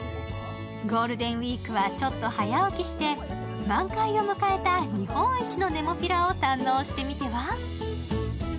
ゴールデンウイークはちょっと早起きして、満開を迎えた日本一のネモフィラを堪能してみては？